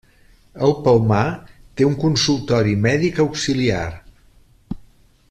El Palmar té un consultori mèdic auxiliar.